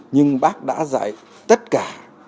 nhưng bác đã dạy tất cả